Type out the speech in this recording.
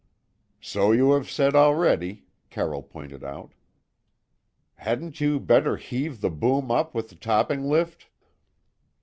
"So you have said already," Carroll pointed out. "Hadn't you better heave the boom up with the topping lift?"